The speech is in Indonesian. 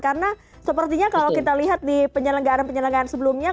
karena sepertinya kalau kita lihat di penyelenggaraan penyelenggaraan sebelumnya